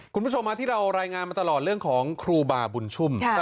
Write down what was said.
คุณผู้ชมที่เรารายงานมาตลอดเรื่องของครูบาบุญชุ่ม